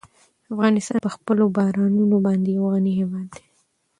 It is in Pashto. افغانستان په خپلو بارانونو باندې یو غني هېواد دی.